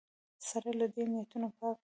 سره له دې نیتونه پاک وو